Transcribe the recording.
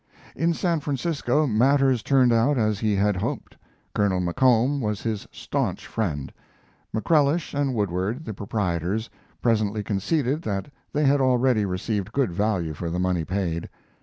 ] In San Francisco matters turned out as he had hoped. Colonel McComb was his stanch friend; McCrellish and Woodward, the proprietors, presently conceded that they had already received good value for the money paid.